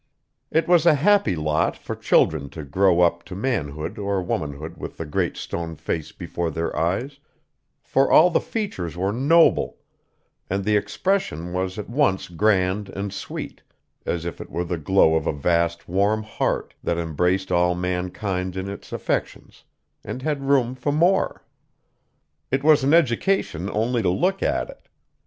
It was a happy lot for children to grow up to manhood or womanhood with the Great Stone Face before their eyes, for all the features were noble, and the expression was at once grand and sweet, as if it were the glow of a vast, warm heart, that embraced all mankind in its affections, and had room for more. It was an education only to look at it.